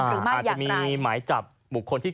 อาจจะมีหมายจับบุคลที่เกี่ยวของเพิ่มเติมหรือเปล่า